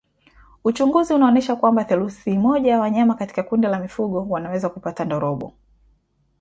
Uchunguzi unaonesha kwamba theluthi moja ya wanyama katika kundi la mifugo wanaweza kupata ndorobo